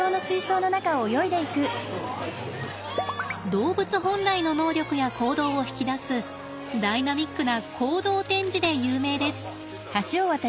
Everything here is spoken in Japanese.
動物本来の能力や行動を引き出すダイナミックな行動展示で有名です。